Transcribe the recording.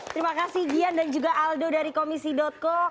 terima kasih gian dan juga aldo dari komisi co